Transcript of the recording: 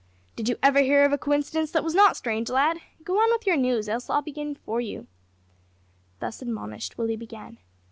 "Did you ever hear of a coincidence that was not strange, lad? Go on with your news, else I'll begin before you." Thus admonished, Willie began.